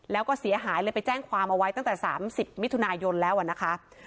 แล้วก็เสียหายเลยไปแจ้งความเอาไว้ตั้งแต่๓๐มิถุนายนแล้วนะคะ